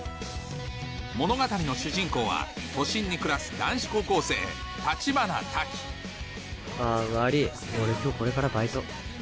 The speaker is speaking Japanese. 物語の主人公は都心に暮らす男子高校生あ悪ぃ俺今日これからバイト。